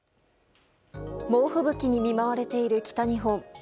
猛吹雪に見舞われている北日本。